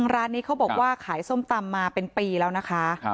ร้านนี้เขาบอกว่าขายส้มตำมาเป็นปีแล้วนะคะ